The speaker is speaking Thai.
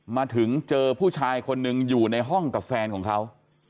มาถึงเจอผู้ชายคนหนึ่งอยู่ในห้องกับแฟนของเขา